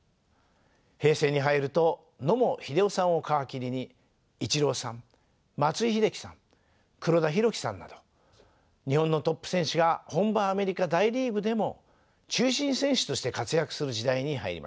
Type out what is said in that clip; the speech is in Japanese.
平成に入ると野茂英雄さんを皮切りにイチローさん松井秀喜さん黒田博樹さんなど日本のトップ選手が本場アメリカ大リーグでも中心選手として活躍する時代に入りました。